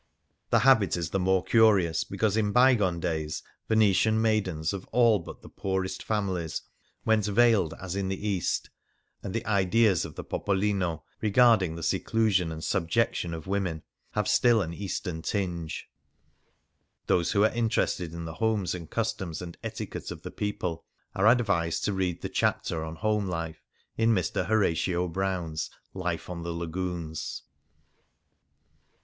The habit is the more curious because in bygone days Vene 142 Varipi tian maidens of all but the poorest families went veiled as in the East, and the ideas of the popolino regaiding the seclusion and subjec tion of women have still an Eastern tinge. Those who are interested in the homes and customs and etiquette of the people are advised to read the chapter on home life in Mr. Horatio Brown's "• Life on the Lagoons.""